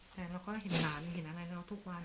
แต่เราก็เห็นหลานเห็นอะไรเราทุกวัน